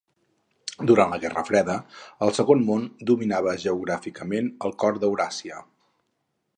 Durant la Guerra freda, el Segon Món dominava geogràficament el cor d'Euràsia.